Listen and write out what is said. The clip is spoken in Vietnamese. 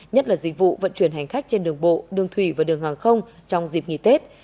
nhất là dịch vụ vận chuyển hành khách trên đường bộ đường thủy và đường hàng không trong dịp nghỉ tết